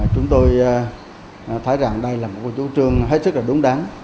chúng tôi thấy rằng đây là một chủ trương hết sức đúng đáng